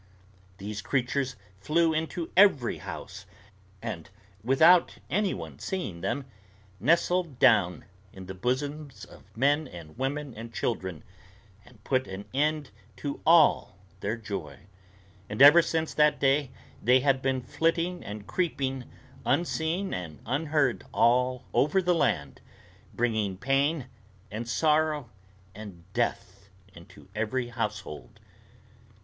These creatures flew into every house, and, without any one seeing them, nestled down in the bosoms of men and women and children, and put an end to all their joy; and ever since that day they have been flitting and creeping, unseen and unheard, over all the land, bringing pain and sorrow and death into every household.